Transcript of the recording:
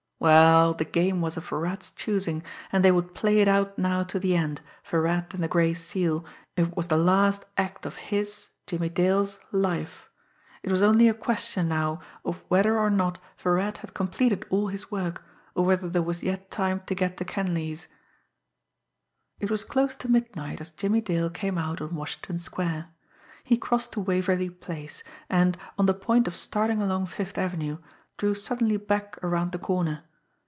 Well, the game was of Virat's choosing and they would play it out now to the end, Virat and the Gray Seal, if it was the last act of his, Jimmie Dale's, life! It was only a question now of whether or not Virat had completed all his work, of whether there was yet time to get to Kenleigh's. It was close to midnight, as Jimmie Dale came out on Washington Square. He crossed to Waverly Place, and, on the point of starting along Fifth Avenue, drew suddenly back around the corner.